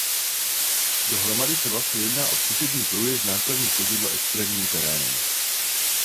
Dohromady se vlastně jedná o zkušební průjezd nákladních vozidel extrémním terénem.